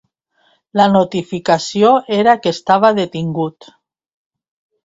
La notificació era que estava detingut.